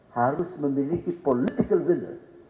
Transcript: harus memiliki political will